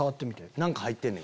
何か入ってんねん。